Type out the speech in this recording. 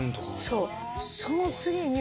そう。